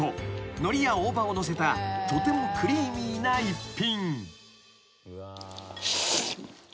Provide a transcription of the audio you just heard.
のりや大葉をのせたとてもクリーミーな逸品］